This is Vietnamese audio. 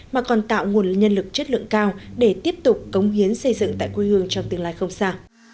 mà còn tạo nguồn nhân lực chất lượng cao để tiếp tục cống hiến xây dựng tại quê hương trong tương lai không xa